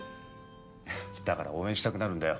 だから応援したくなるんだよ